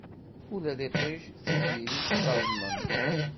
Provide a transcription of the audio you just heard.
Ula d iṭij d tziri ttaḍnen.